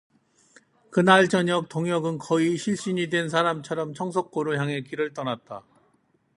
그날 저녁 동혁은 거의 실신이 된 사람처럼 청석골을 향하여 길을 떠났다.